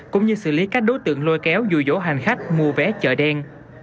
cũng như xử lý các đối tượng lôi kéo dù dỗ hành khách mua vé chợ đen